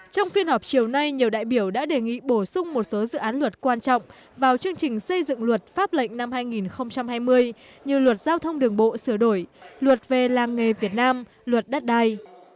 trong phiên họp chiều nay nhiều đại biểu đã đề nghị bổ sung một số dự án luật quan trọng vào chương trình xây dựng luật pháp lệnh năm hai nghìn hai mươi như luật giao thông đường bộ sửa đổi luật về làng nghề việt nam luật đất đai